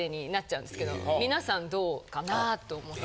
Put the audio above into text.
皆さんどうかなぁと思って。